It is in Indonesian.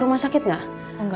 lagi yang lebar